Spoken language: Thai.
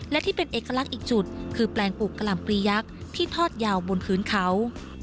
และที่เป็นเอกลักษณ์อีกจุดคือแปลงปลูกกะห่ำปลียักษ์ที่ทอดยาวบนพื้นเขา